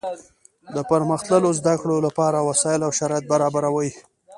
د پرمختللو زده کړو له پاره وسائل او شرایط برابروي.